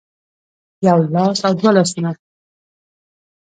يو لاس او دوه لاسونه